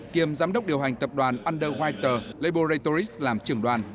kiêm giám đốc điều hành tập đoàn underwater laboratories làm trưởng đoàn